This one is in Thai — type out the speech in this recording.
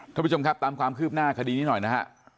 ท่านผู้ชมครับตามความคืบหน้าคดีนี้หน่อยนะฮะ